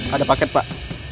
ada paket pak